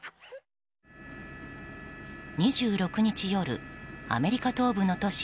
２６日夜、アメリカ東部の都市